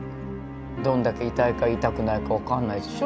どんだけ痛いか痛くないか分かんないでしょ？